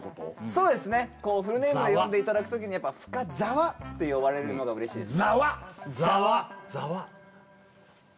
そうですねフルネームで呼んでいただく時にって呼ばれるのがうれしいです